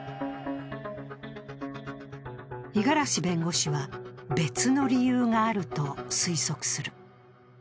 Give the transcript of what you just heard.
五十嵐弁護士は、別の理由があると推測する。